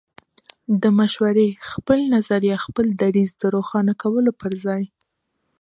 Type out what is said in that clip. د مشورې، خپل نظر يا خپل دريځ د روښانه کولو پر ځای